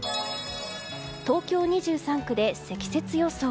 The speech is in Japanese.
東京２３区で積雪予想。